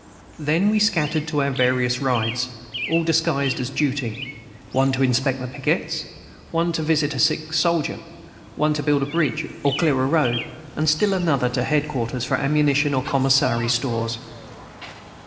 Then we scattered to our various rides, all disguised as duty; one to inspect pickets, one to visit a sick soldier, one to build a bridge or clear a road, and still another to head quarters for ammunition or commissary stores.